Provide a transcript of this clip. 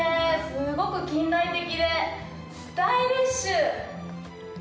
すごく近代的でスタイリッシュ。